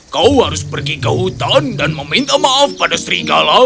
kau harus pergi ke hutan dan meminta maaf pada serigala